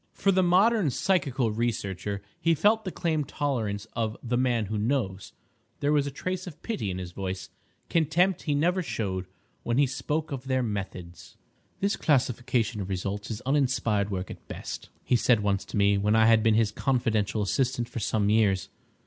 For the modern psychical researcher he felt the calm tolerance of the "man who knows." There was a trace of pity in his voice—contempt he never showed—when he spoke of their methods. "This classification of results is uninspired work at best," he said once to me, when I had been his confidential assistant for some years.